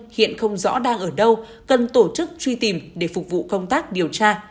hiện không rõ đang ở đâu cần tổ chức truy tìm để phục vụ công tác điều tra